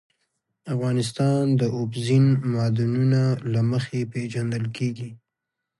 افغانستان د اوبزین معدنونه له مخې پېژندل کېږي.